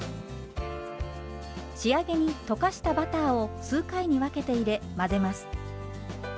仕上げに溶かしたバターを数回に分けて入れ混ぜます。